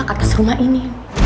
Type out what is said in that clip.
dari budayamu ini